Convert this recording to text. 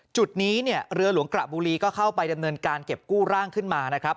จุดนี้เนี่ยเรือหลวงกระบุรีก็เข้าไปดำเนินการเก็บกู้ร่างขึ้นมานะครับ